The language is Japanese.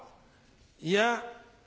いや。